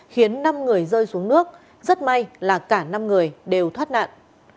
khiến năm người rơi xuống nước rất may là cả năm người đều thoát nạn